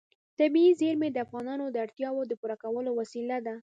طبیعي زیرمې د افغانانو د اړتیاوو د پوره کولو وسیله ده.